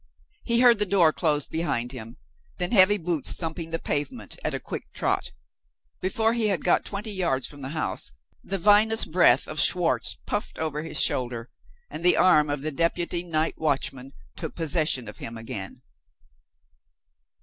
He heard the door closed behind him then heavy boots thumping the pavement at a quick trot. Before he had got twenty yards from the house, the vinous breath of Schwartz puffed over his shoulder, and the arm of the deputy night watchman took possession of him again.